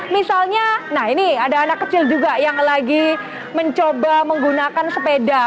misalnya nah ini ada anak kecil juga yang lagi mencoba menggunakan sepeda